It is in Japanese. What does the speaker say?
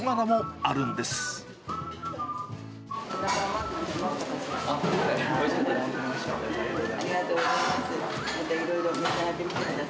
ありがとうございます。